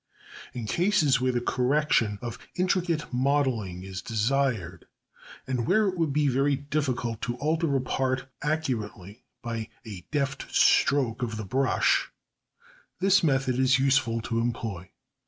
In cases where the correction of intricate modelling is desired and where it would be very difficult to alter a part accurately by a deft stroke of the brush, this method is useful to employ.